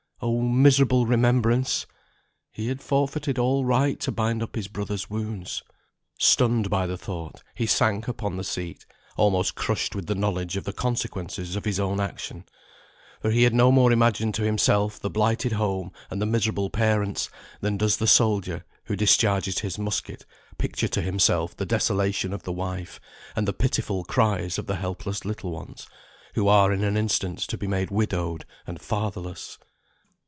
Oh miserable remembrance! He had forfeited all right to bind up his brother's wounds. Stunned by the thought, he sank upon the seat, almost crushed with the knowledge of the consequences of his own action; for he had no more imagined to himself the blighted home, and the miserable parents, than does the soldier, who discharges his musket, picture to himself the desolation of the wife, and the pitiful cries of the helpless little ones, who are in an instant to be made widowed and fatherless.